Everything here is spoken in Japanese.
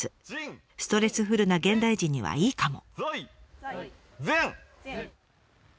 ストレスフルな現代人にはいいかも。